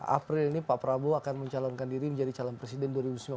april ini pak prabowo akan mencalonkan diri menjadi calon presiden dua ribu sembilan belas